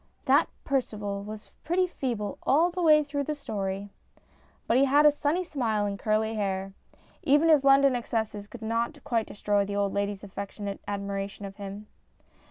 That Percival was pretty feeble all the way through the story. But he had a sunny smile and curly hair. Even his London excesses could not quite destroy the old ladies' affectionate admiration for him.